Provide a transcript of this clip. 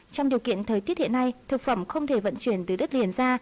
trong điều kiện thời tiết hiện nay thực phẩm không thể vận chuyển từ đất liền ra